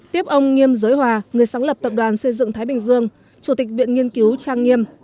tiếp ông nghiêm giới hòa người sáng lập tập đoàn xây dựng thái bình dương chủ tịch viện nghiên cứu trang nghiêm